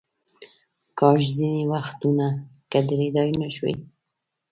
کاش ځینې وختونه که درېدای نشوای.